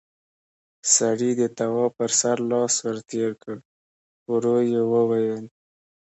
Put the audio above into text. سړي د تواب پر سر لاس ور تېر کړ، ورو يې وويل: